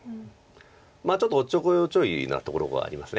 まあちょっとおっちょこちょいなところがあります